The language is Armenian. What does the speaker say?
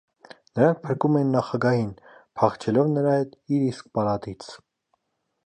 Նրանք փրկում են նախագահին՝ փախչելով նրա հետ իր իսկ պալատից։